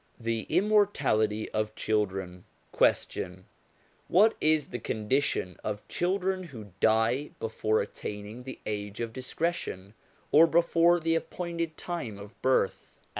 THE IMMORTALITY OF CHILDREN Question. What is the condition of children who die before attaining the age of discretion, or before the appointed time of birth